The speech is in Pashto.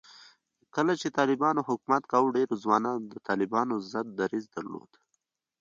کله چې طالبانو حکومت کاوه، ډېرو ځوانانو د طالبانو ضد دریځ درلود